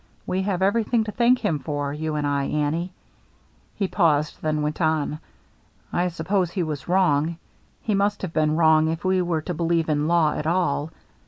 We have everything to thank him for, you and I, Annie." He paused, then went on. " I sup pose he was wrong — he must have been wrong if we are to believe in law at all.